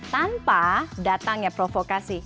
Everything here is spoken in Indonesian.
tanpa datangnya provokasi